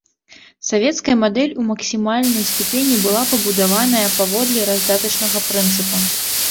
Савецкая мадэль у максімальнай ступені была пабудаваная паводле раздатачнага прынцыпу.